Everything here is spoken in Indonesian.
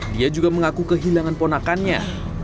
dia juga mengaku kehilangan ponakannya